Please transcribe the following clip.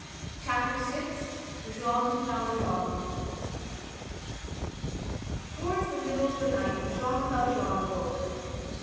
CHAPTER VI—JEAN VALJEAN Towards the middle of the night Jean Valjean woke.